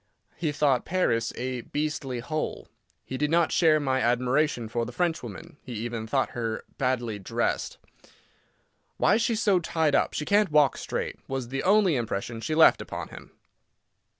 He thought Paris a "beastly hole." He did not share my admiration for the Frenchwoman; he even thought her badly dressed. "Why she's so tied up, she can't walk straight," was the only impression she left upon him.